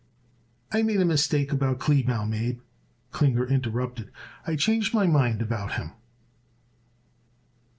"I made a mistake about Kleebaum, Abe," Klinger interrupted. "I changed my mind about him."